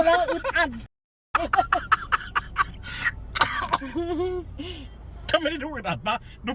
ไม่แล้วมันไปได้อ่ะทางนั้นอ่ะ